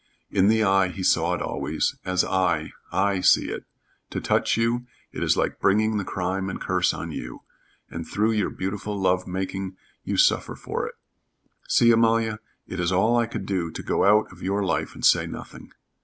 In the Eye he saw it always as I I see it. To touch you it is like bringing the crime and curse on you, and through your beautiful love making you suffer for it. See, Amalia? It was all I could do to go out of your life and say nothing."